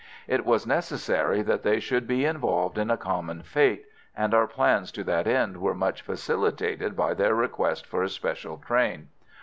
It was necessary that they should be involved in a common fate, and our plans to that end were much facilitated by their request for a special train.